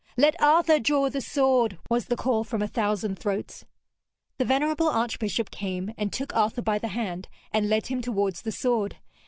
'Let Arthur draw the sword!' was the call from a thousand throats. The venerable archbishop came and took Arthur by the hand, and led him towards the sword.